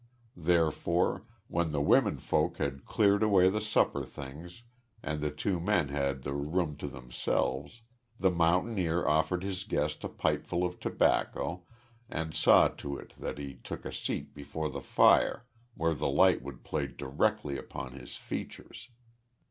Therefore, when the womenfolk had cleared away the supper things and the two men had the room to themselves, the mountaineer offered his guest a pipeful of tobacco and saw to it that he took a seat before the fire where the light would play directly upon his features.